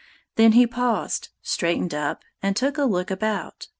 Then he paused, straightened up, and took a look about.